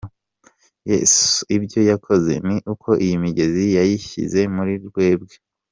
Yesu ibyo yakoze ni uko iyi migezi yayishyize muri twebwe.